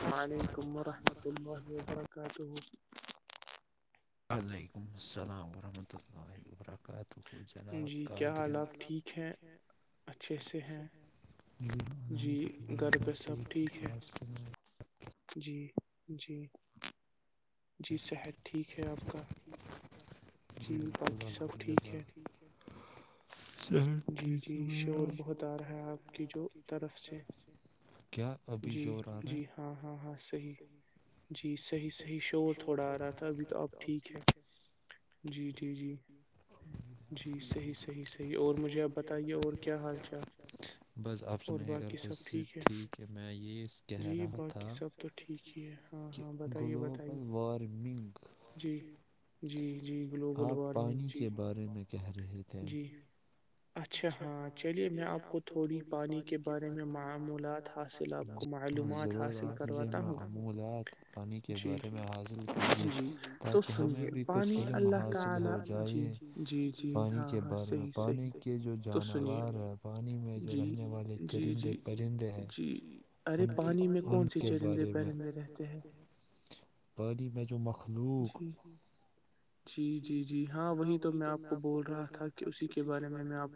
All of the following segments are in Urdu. سال کمر م تو م ہوبر کاات ہو [unintelligible] تو ہو جناب گادر آ ٹھیک ہیں اچھے سے ہیں [unintelligible] جی گھر پہ سب ٹھیک ہے [unintelligible] جی جی [unintelligible] جی صحت ٹھیک ہے آپ [unintelligible] کتا [unintelligible] ج خل ح لا [unintelligible] شر ٹھیک میں ش بہت آ رہا ہے آپ کی جو طرف سے [unintelligible] کیا ابھی شہوران ہے [unintelligible] ہاں صحیح جی صحیح صحیح شور چھوڑا آ رہا تھا ابھی تو اپ ٹھیک ہے جی جی جی [unintelligible] جی صحیح صحیح صحیح اور مجھے آپ بتائیے اور کیا حال چال اور باقی سب ٹھیک ہے جی باقی سب تو ٹھیک ہے ہاں ہاں بتائیے بتائیے جی جی جی گلوبل وارمنگ جی [unintelligible] کہہ رہے تھے [unintelligible] اچھا ہاں چلیے میں آپ کو تھوڑی پانی کے بارے میں معمولات حاصل آپ کو معلومات حاصل کر [unintelligible] مجھے معمولات پانی کے بارے میں حاصل کیجیے تاکہ ہمیں بھی کچھ علم حاصل ہو جائے پانی کے بارے میں پانی [unintelligible] یہ جو جانور ہے [unintelligible] پانی میں جو رہنے والے چرندے پرندے ہیں ان ان [unintelligible] چرندے پیرندے رہتے ہیں [unintelligible] خی میں جو مخ [unintelligible] خخلوق [unintelligible] جی جی جی ہاں وہی تو میں آپ کو بول رہا تھا کہ اسی کے بارے میں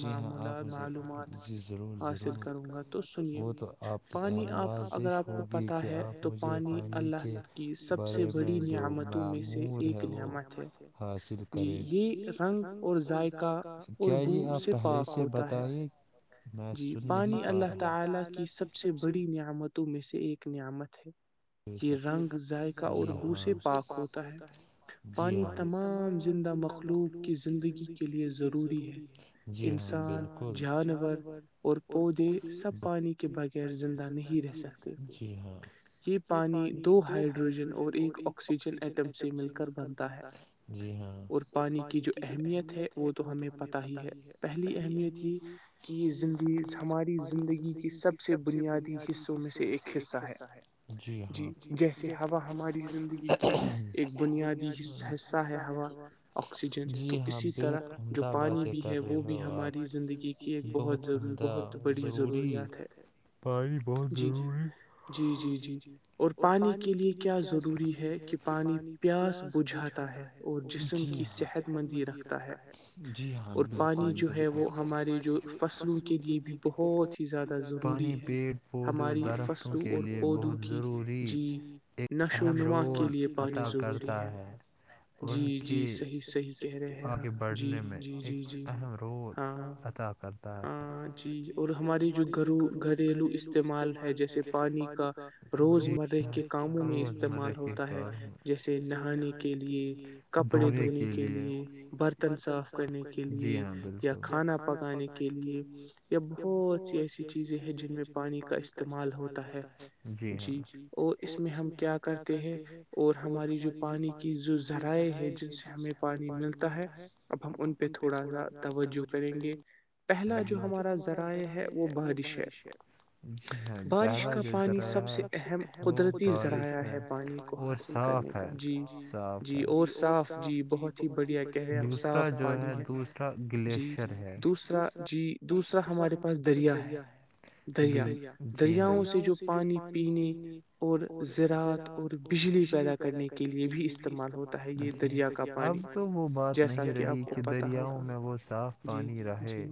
جی ہاں آپ مجھے مع جی ضرور ضرور کروں گا وہ تو آپ کی نوازش ہوگی کہ آپ مجھے پانی کے بارے میں [unintelligible] آمتوں میں سے ایک نعمت [unintelligible] حاصل کرے ج رنگ اور ذائقہ کیا جی آپ پہلے سے بتائیں [unintelligible] جی پانی اللہ تعالی کی سب سے بڑی نعمت [unintelligible] تو میں سے ایک نعمت ہے [unintelligible] یہ رنگ ظ اور دوسے پاک ہوتا ہے پانی تمام زندہ مخلوق کی زندگی کے لیے ضروری ہے جانور [unintelligible] اور پودے سب پانی کے بغیر زندہ نہیں رہ سکتے یہ [unintelligible] یہ پانی دو ہائڈروجن اور ایک آکسیجن ایٹم سے مل کر بنتا ہے جی ہاں اور پانی کی جو اہمیت ہے وہ تو ہمیں پت ہی ہے پہلی اہمیت یہ [unintelligible] زندگی ہماری زندگی کی سب سے بنیادی حصوں میں سے ایک حصہ ہے جی ہاں ج جیسی ہوا ہماریگی ایک بنیادی حصہ ہے ہوا جی ہاں بےحد احمدباد کر رہے ہو ہمندگی بہت کمدا ضروری پانی بہت ضروری اور پانی کے لیے کیا ضروری ہے کہ پانی پیاس بجھاتا ہے اور صحت مندی رکھتا ہے جیاں اور پانی جو ہے وہ ہمارے جو فصلوں کے لیے بھی بہت ہی زیادہ ضروری ہے ہماری فصلوں اور پودوں کی وری ایک اہم رول ادا کرتا ہے ان کے آگے بڑھنے میں ایک اہم رول ادا کر ہاں جی اور ہماری جو گھرو گھریلو استعمال ہے جیسے پانی کا روزمرہ کے کاموں میں استعمال ہوتا ہے جیسے نہانے کے لیے کپڑے دھونے کے لیے برتن صاف کرنے کے لیے یا کھانا پکانے کے کے لیے یا بہت سی ایسی چیزیں ہیں جن میں پانی کا استعمال ہوتا ہے جی اور اس میں ہم کیا کرتے ہیں اور ہماری جو پانی کی جو ذرائع ہے جن سے ہمیں پانی ملتا ہے اب ہم ان پہ تھوڑا سا توجہ کریں گے پہلا جو ہمارا ذرائع ہے وہ بارش ہے جی ہاںہ رارش ہے اور صاف ہے صاف ہے جی اور صاف جی بہت ہی بڑیا دوسرا جو ہے دوسرا گلیشر ہے دوسرا جی دوسرا ہمارے پاس دریا ہے دریا دریاؤں سے جو اسے جو پانی پینے اور زراعت اور بجلی پیدا کرنے کے لیے بھی استعمال ہوتا ہے دریا اب تو وہ بات نہیں رہی کہ دریاؤ میں وہ صاف پانی رہے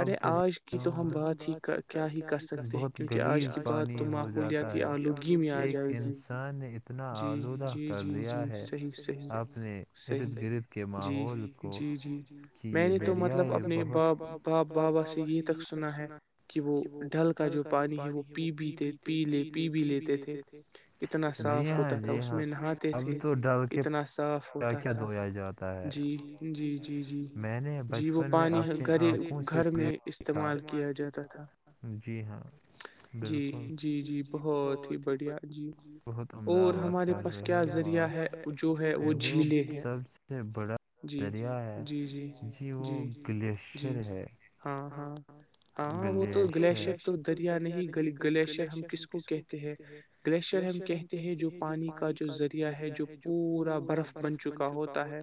ارے آج کی تو ہم بات ہی کیا ہی کر سکتے ہیں کیونکہ آج کی پانی ہو جاتا ہے ایک انسان نے اتنا آلودہ کر دیا ہے اپنے ارد گرد کے ماحول کو کہ یہ دریا ہے بہت باپ بابا سے یہ تک سنا ہے کہ وہ ڈل کا جو پانی ہے وہ پی بھی بھی لیتے جی ہاں جی ہاں اب تو ڈال کے کیا دھویا جاتا ہے میں نے بچپن میں آ ے د استعمال کیا جاتا تھا جی ہاں بالکل جی جی بہت ہی ب بہت عمداد کر رہے جو سب سے بڑا ذریعہ ہے جی وہ گلی جی ہاں ہاں ہاں وہ تو گلیشئر تو دریا نہیں گلیشئر ہم کس کو کہتے ہیں گلیشر ہم کہتے ہیں جو پانی کا جو ذریعہ ہے جو پورا برف بن چکا ہوتا ہے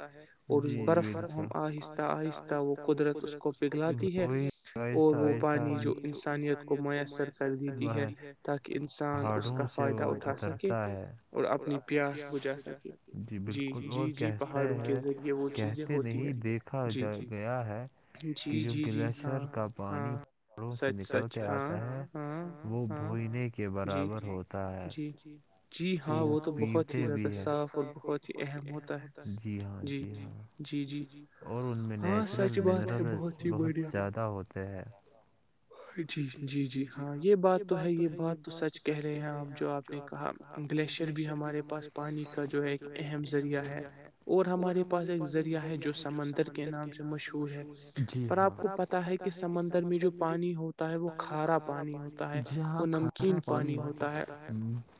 اور اس برف کو ہم آہستہ آہستہ وہ قدرت اس کو پگھلاتی ہے اور وہ پانی جو انسانیت کو میسر کر دیتا وہ پہاڑوں سے وہ اترتا ہے اور اپنی پیاس کو ج جی بالکل اور کہتے ہیں کہتے نہیں دیکھا گیا ہے کہ جو گلیشر کا پانی پڑوں سے نکل کے آتا ہے وہ بھوئینے کے برابر ہوتا ہے پیتے بھی ہے جی ہاں جی ہاں اور ان میں نیچرل بہت زیادہ ہوتے ہیں ج جی یہ بات تو ہے یہ بات تو سچ کہہ رہے ہیں آپ جو آپ نے کہا گلیشئر بھی ہمارے پاس پانی کا جو ہے ایک اہم ذریعہ ہے اور ہمارے پاس ایک ذریعہ ہے جو سمندر کے نام سے مشہور ہے پر آپ کو پتا ہے کہ سمندر میں جو پانی ہوتا ہے وہ کھارا پانی جی ہاں کھارا پانی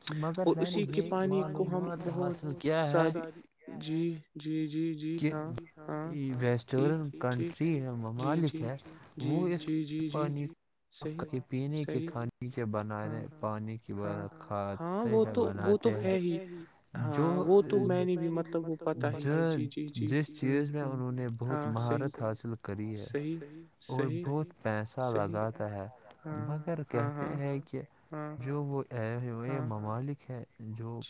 ج مگر میں نے یہ معلومات حاصل کیا ہے کہ ویسٹورنٹ کنٹری ممالک ہے وہ اس پانی پینے کے کھانے کے بات بے پانی کی وجہ کھاتے ہیں بناتے ہیں جو جس چیز میں انہوں نے بہت مہارت حاصل کری ہے اور بہت پیسہ لگاتا ہے مگر کہتے ہیں کہ کہ جو وہ ا وہ یہ ممالک ہے جو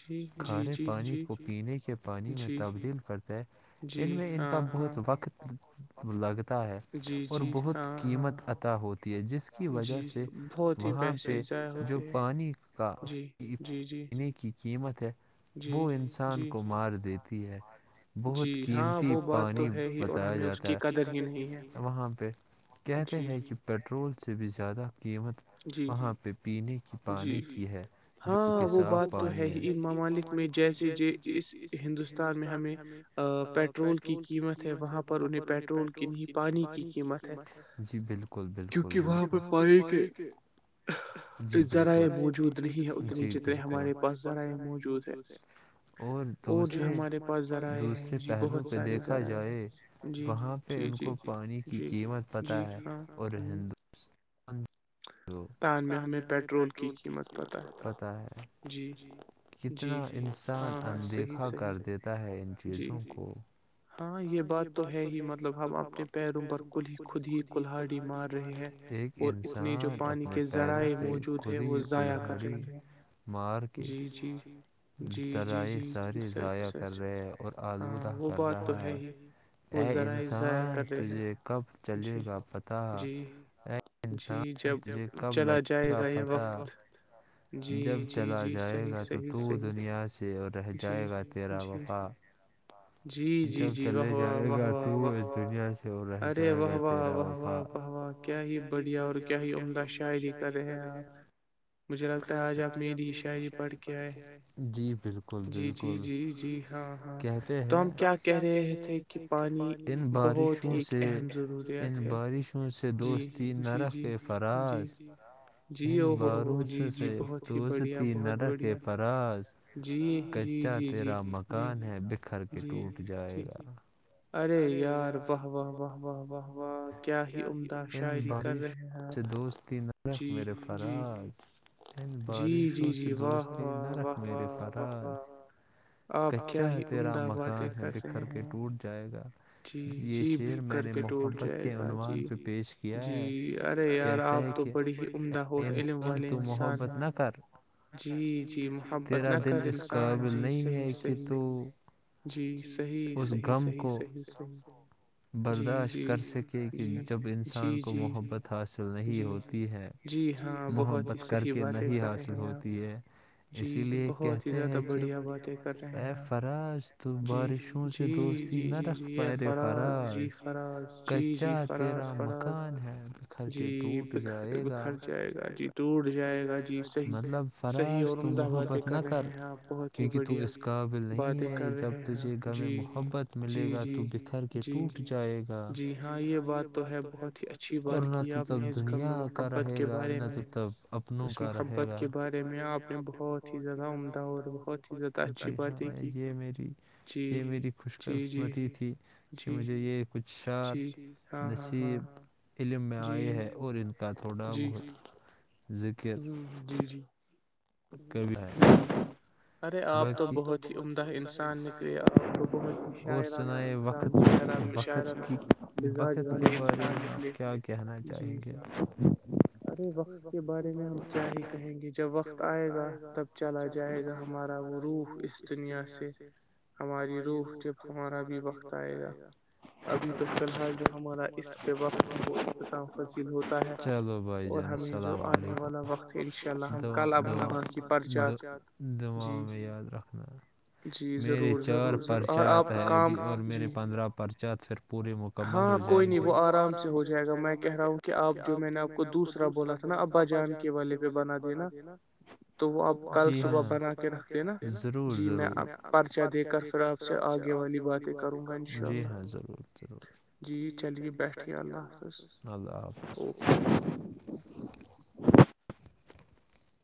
کھارے پانی کو پینے کے پانی میں تبدیل ان میں ان کا بہت وقت لگت ہے اور بہت قیمت عطا ہوتی ہے جس کی وجہ سے وہاں پہ جو پانی کایں کی قیمت ہے وہ انسان کو مار دیتی ہے بہت قیمتی پانی بتایا جاتا ہے وہاں پہ کہتے ہیں کہ پٹ پٹرول سے بھی زیادہ قیمت وہاں پہ پینے کی پانی کی ہے جو کہ صاف پانی ہے ممالک میں جیسے اس ہندوستان میں ہمیں پیٹرول کی قیمت ہے وہاں پر انہیں پٹرول کی نہیں پانی کی قیمت ہے جی بالکل بالکل وہاں پر پانی جی بالکل ذرائ موجود نہیں جی بالکل ہمارے پاس ذرائع موجود ہے اور دوسرے ہمارے پاس دوسرے پہلو پہ دیکھا جائے وہاں پہ ان کو پانی کی قیمت پتہ ہے اور ہندو ہ [inaudible] کستان میں ہمیں پٹرول کی قیمت پت ہے کتنا انسان اندیکھا کر دیتا ہے ان چیزوں کو ہاں یہ بات تو ہے ہی مطلب ہم اپنے پیروں پر کل ہی خود ہی کلہاڑی مار رہے ہیں ایک انسان اپنے پیروں پہ خود ہی کلہلہڑی مار کے ذرائع سارے ضاع کر رہے آلودہ کر رہا ہے اے انسان تجھے کب چلے گا پتا اے انسان ت چلا جائے گا یہ وقت جب چلا جائے گا تو تو دنیا سے سے رہ جائے گا تیرا وفا ج جب چلے جائے گا تو اس دنیا سے رہ جائے گا تیرا کیا ہی بڑھیا اور کیا ہی عمدہ شاعری کر رہے آپ مجھے لتا ہے آج آپ میری شاعری پڑھ کے آئے جی بالکل بالکل کہتے ہیں کیا کہہ رہے ان بارشوں سے ان بارشوں سے دوستی نرخ فراز ان باروںش سے دوزتی نرق فراز کچا تیرا مکان ہے بکھر کے ٹوٹ جائے گاا ارے یار ان بارشوں سے دوست نرخ میرے فراز ان بارشوں سے دوست نرخ میرے فراز کچا ہے تیرا مک کہاں سے لکھ کر کے ٹوٹ جائے گا یہ شر میں نے محبت کے عنوان پہ پیش کیا ہے کہتا ہے کہ انسان تو محبت نہ کر تیرا دل اس قابل نہیں ہے کہ تو جی صحیح صحیححیح برداشت کر سکے کہ جب انسان کو محبت حاصل نہیں ہوتی ہے محبت کر کے نہیں حاصل ہوتی ہے اسی لیے کہتے ہیں کہ فرش تو بارشوں سے دوستی نہ رکھ یرے فراز کچا تیرا مکان ہےھر کے ٹوٹ جائے گاا مطلب فراز تو محبت نہ کر کیوںکہ تو اس قابل نہیں ہے جب تجھے گھر میں محبت مل ے گا تو بکھر کے ٹوٹ جائے گا جی ہاں یہ بات تو ہے بہت ہی اور نہ تو تب دنیا کا رہے گا نہ تو تب اپنوں کا رہے گا اس کے بارے میں آپ نے بہت ہی زیادہ عمدہ بہ ہی یہ میری یہ میری خوش قسمت کہ مجھے یہ کچھ شار نصیب [unintelligible] علم میں آئے ہے اور ان کا تھوڑا بہت ہ جی جی ھیقی تو بہت ہی عمدہ انسان اور سن و وقت کے بارے میں آپ کیا کہنا چاہیں گے ارےار گا تب چلا جائے گا ہمارا وہ روح اس دنیا سے ہماری روح جب ہمارا بھی وقت آئے گا ابھی تو فی الحال جو ہمارا اس پہ وقت ہے وہ اختت فضل ہوتا ہے اور ہمیں جو آنے والا وقت ہے ان شاء اللہ کل ا پرچ دماغ میں یاد رکھنا میرے چار پرچ ہیں ابھی اور میرے پندرہ پرچ پھر پورے مکمل ہو جائیں گے آرام سے ہو جائے گا میں کہ رہا ہوں کہ آپ جو میں نے آپ کو دوسرا بولا تھا ابا جانے بنا دینا تو وہ آپ صبح بنا کے رکھ ضرور ضرور میں پرچہ دے کر پھر آپ سے آگے والی باتیں کروں گا جی ہاں ضض جی چلیے بیٹھیے اللہ حافظ اللہ حاظ